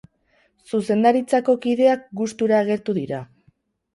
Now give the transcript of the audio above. Zuzendaritzako kideak gustura agertu dira.